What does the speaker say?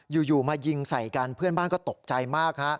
อยู่มายิงใส่กันเพื่อนบ้านก็ตกใจมากฮะ